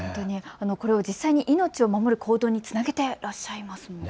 これを実際に命を守る行動につなげてらっしゃいますよね。